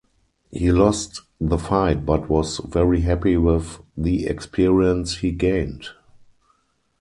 He lost the fight but was very happy with the experience he gained.